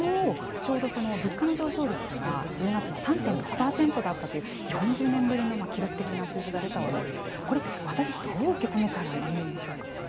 昨日、物価上昇は１０月は３．６％だったと４０年ぶりの記録的な数字が出たわけですけど私たちどう受け止めたらいいでしょうか。